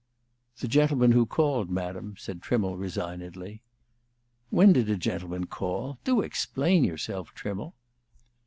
"The gentleman who called, Madam," said Trimmle, resignedly. "When did a gentleman call? Do explain yourself, Trimmle!"